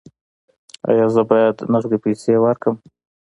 ایا زه باید نغدې پیسې ورکړم؟